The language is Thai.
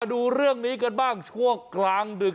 ดูเรื่องนี้กันบ้างช่วงกลางดึก